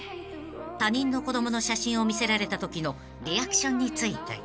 ［他人の子供の写真を見せられたときのリアクションについて］